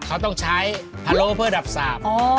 เขาต้องใช้พะโล้เพื่อดับสาบ